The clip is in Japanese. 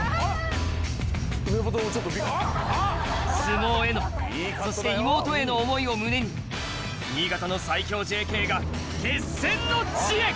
相撲へのそして妹への思いを胸に新潟の最強ＪＫが決戦の地へ！